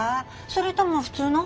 それとも普通の？